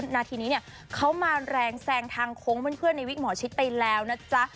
นาทีนี้เนี่ยเขามาแรงแซงทางโค้งเพื่อนในวิกหมอชิดไปแล้วนะจ๊ะ